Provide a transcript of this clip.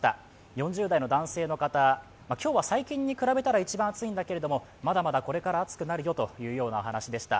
４０代の男性の方、今日は最近に比べたら一番暑いんだけれどもまだまだこれから暑くなるよというようなお話でした。